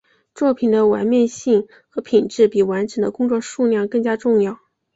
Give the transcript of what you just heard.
作品的完面性和品质比完成的工作数量更加重要。